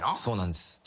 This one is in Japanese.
そうなんです。